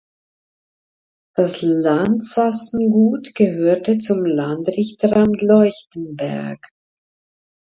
Das Landsassengut gehörte zum Landrichteramt Leuchtenberg.